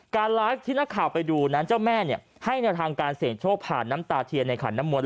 การไลฟ์ที่นักข่าวไปดูนั้นเจ้าแม่ให้แนวทางการเสี่ยงโชคผ่านน้ำตาเทียนในขันน้ำมนต